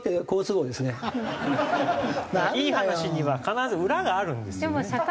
いい話には必ず裏があるんですよね。